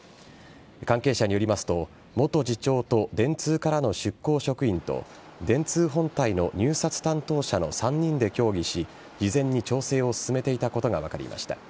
関係者によりますと元次長と電通からの出向職員と電通本体の入札担当者の３人で協議し事前に調整を進めていたことが分かりました。